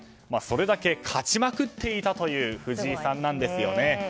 それだけ勝ちまくっていたという藤井さんなんですよね。